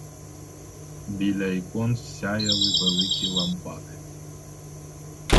Біля ікон сяяли великі лампади.